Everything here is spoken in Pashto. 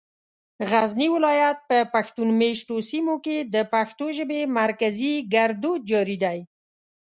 غزني ولايت په پښتون مېشتو سيمو کې د پښتو ژبې مرکزي ګړدود جاري دی.